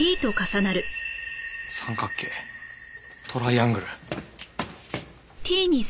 三角形トライアングル。